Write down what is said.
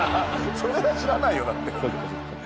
それは知らないよだって。